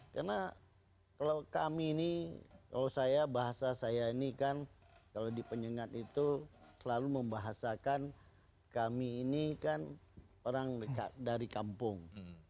karena kalau kami ini kalau saya bahasa saya ini kan kalau di penyengat itu selalu membahasakan kami ini kan orang dari kampung